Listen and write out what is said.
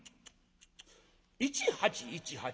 １８１８。